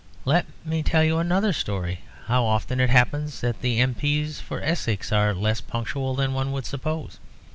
"Let me tell you another story. How often it happens that the M.P.'s for Essex are less punctual than one would suppose.